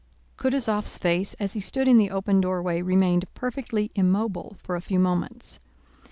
Kutúzov's face as he stood in the open doorway remained perfectly immobile for a few moments.